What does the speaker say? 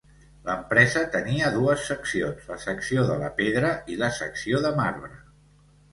L'empresa tenia dues seccions: la secció de la pedra i la secció de mabre.